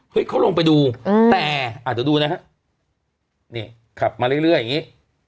เฮ้ยเขาลงไปดูอืมแต่อ่าเดี๋ยวดูนะฮะนี่ขับมาเรื่อยเรื่อยอย่างงี้